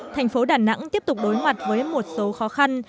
tp đà nẵng tiếp tục đối mặt với một số khó khăn